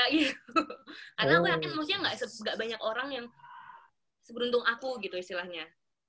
karena aku yakin maksudnya gak banyak orang yang seberuntung aku gitu istilahnya